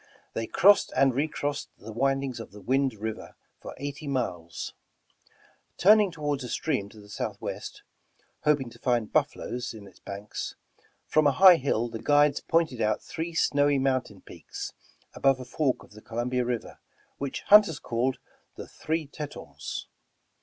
They crossed and recrossed the windings of the Wind River for eighty miles. Turning toward a stream to the southwest, — hoping to find buffaloes ^m its banks, — from a high hill the guides pointed out three snowy mountain peaks, above a fork of the Columbia river, 182 Over the Rockies which hunters called ''The Three Tetons."